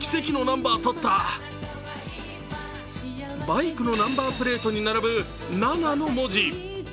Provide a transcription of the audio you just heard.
バイクのナンバープレートに並ぶ７の文字。